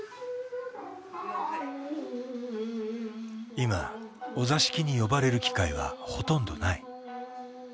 今お座敷に呼ばれる機会はほとんどない。